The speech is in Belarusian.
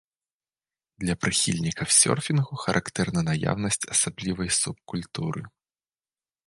Для прыхільнікаў сёрфінгу характэрна наяўнасць асаблівай субкультуры.